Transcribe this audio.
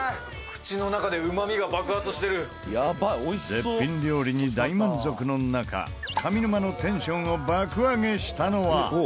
絶品料理に大満足の中上沼のテンションを爆上げしたのは。